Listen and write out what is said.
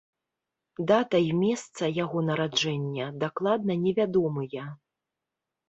Дата і месца яго нараджэння дакладна невядомыя.